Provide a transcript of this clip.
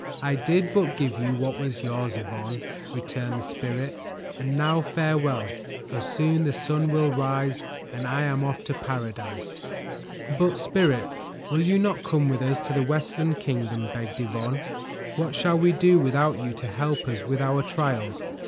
"I did but give you what was yours, Yvonne," returned the Spirit, "and now farewell, for soon the sun will rise and I am off to paradise." "But, Spirit, will you not come with us to the Westland Kingdom?" begged Yvonne. "What shall we do without you to help us with our trials?